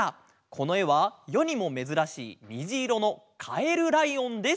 このえはよにもめずらしいにじいろのカエルライオンです。